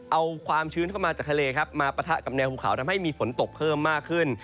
เอาความชื้นเข้ามาจากทะเลครับมาปะทะกับแนวภูเขาทำให้มีฝนตกเพิ่มมากขึ้น